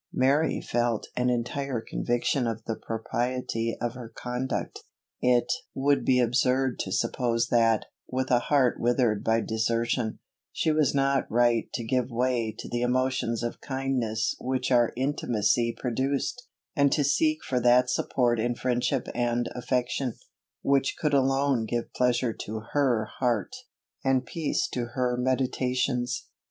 Mary felt an entire conviction of the propriety of her conduct. It would be absurd to suppose that, with a heart withered by desertion, she was not right to give way to the emotions of kindness which our intimacy produced, and to seek for that support in friendship and affection, which could alone give pleasure to her heart, and peace to her meditations.